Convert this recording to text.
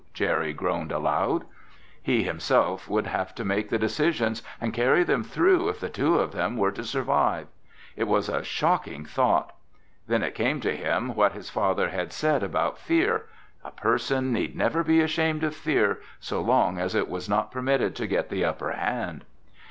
Jerry groaned aloud. He himself would have to make the decisions and carry them through if the two of them were to survive. It was a shocking thought. Then it came to him what his father had said about fear: a person need never be ashamed of fear so long as it was not permitted to get the upper hand.